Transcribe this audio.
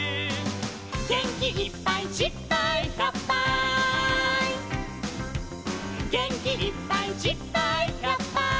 「げんきいっぱいじっぱいひゃっぱい」「げんきいっぱいじっぱいひゃっぱい」